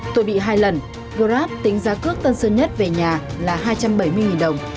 tôi bị hai lần grab tính giá cước tân sơn nhất về nhà là hai trăm bảy mươi đồng